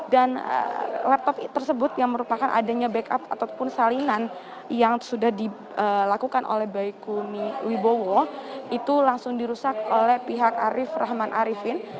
dan laptop tersebut yang merupakan adanya backup ataupun salinan yang sudah dilakukan oleh baik kumi wibowo itu langsung dirusak oleh pihak arief rahman arifin